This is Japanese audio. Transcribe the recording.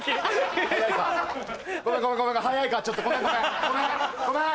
ごめんごめん早いかちょっとごめんごめんごめん！